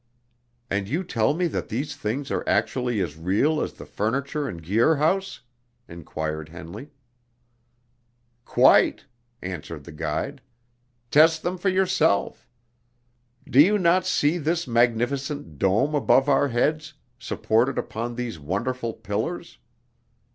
"And you tell me that these things are actually as real as the furniture in Guir House?" inquired Henley. "Quite!" answered the guide. "Test them for yourself. Do you not see this magnificent dome above our heads, supported upon these wonderful pillars?